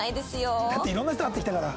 だっていろんな人に会ってきたから。